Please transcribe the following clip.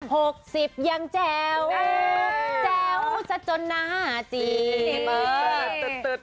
หกสิบยังแจ๋วแจ๋วสัตว์จน๕อาจีน